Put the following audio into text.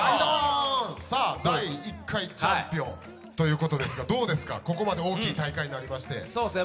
第１回チャンピオンということですがここまで大きい大会になりましてどうですか？